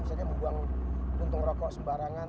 maka mereka mengeluarkan untung rokok sembarangan